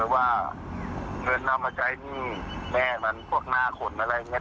ว่าเงินนำมาใช้หนี้แม่มันพวกหน้าขนอะไรอย่างนี้